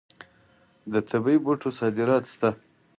د طبي بوټو صادرات شته.